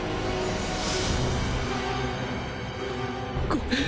ごめん。